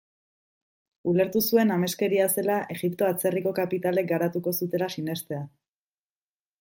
Ulertu zuen ameskeria zela Egipto atzerriko kapitalek garatuko zutela sinestea.